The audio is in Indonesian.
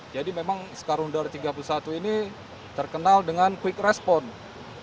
jadi memang skarundar tiga puluh satu ini terkenal dengan quick response